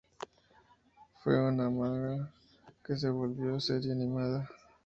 Fue un manga que se volvió serie animada.